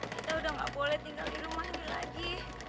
kita udah gak boleh tinggal di rumah ini lagi